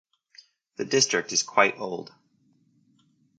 The district is quite old.